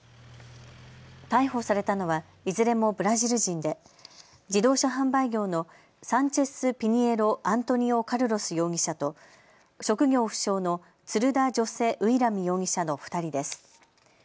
逮捕されたのはいずれもブラジル人で自動車販売業のサンチェス・ピニエロ・アントニオ・カルロス容疑者と、職業不詳のツルダ・ジョセ・ウイラミ容疑者の２人です。